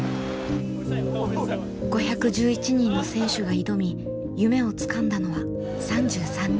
５１１人の選手が挑み夢をつかんだのは３３人。